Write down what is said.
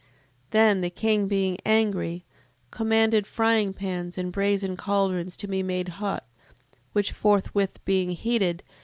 7:3. Then the king being angry, commanded fryingpans and brazen caldrons to be made hot: which forthwith being heated, 7:4.